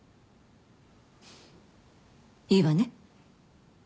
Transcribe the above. いいわね。